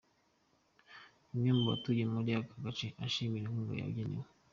Umwe mu batuye muri aka gace ashimira inkunga bagenewe.